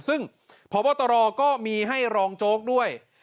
ซึ่งพบตรก็มีให้รองโจ๊กด้วย